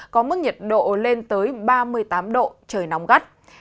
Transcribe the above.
có mức nhiệt độ lên tới ba mươi tám độ trời nóng gắt